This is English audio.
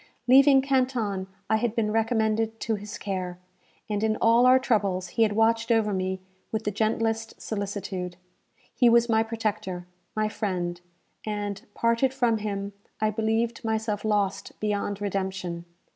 Leaving Canton, I had been recommended to his care, and in all our troubles he had watched over me with the gentlest solicitude. He was my protector my friend; and, parted from him, I believed myself lost beyond redemption.